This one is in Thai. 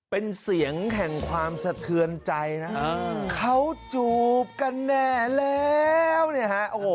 เป็นเสียงแห่งความสะเทือนใจนะเขาจูบกันแน่แล้วเนี่ยฮะโอ้โห